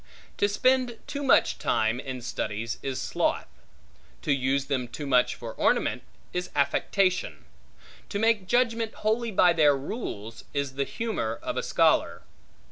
To spend too much time in studies is sloth; to use them too much for ornament, is affectation; to make judgment wholly by their rules, is the humor of a scholar.